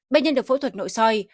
bệnh nhân được phẫu thuật nội soi